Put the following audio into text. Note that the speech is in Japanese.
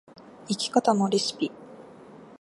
生き方のレシピ